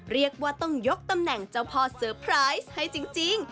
เรียกว่าต้องยกตำแหน่งเจ้าพ่อเซอร์ไพรส์ให้จริง